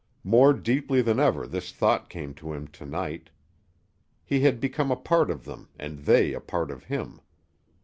More deeply than ever this thought came to him to night. He had become a part of them and they a part of him.